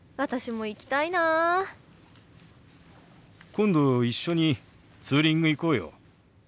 今度一緒にツーリング行こうよ。